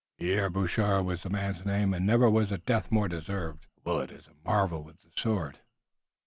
Pierre Boucher was the man's name, and never was a death more deserved." "Willet is a marvel with the sword."